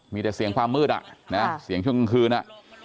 มีแต่เสียงความมืดอ่ะนะเสียงช่วงกลางคืนอ่ะ